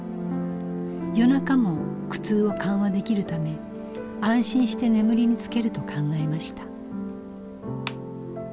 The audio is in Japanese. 夜中も苦痛を緩和できるため安心して眠りにつけると考えました。